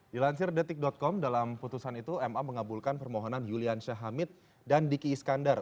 dilansir detik com dalam putusan itu ma mengabulkan permohonan yuliansya hamid dan diki iskandar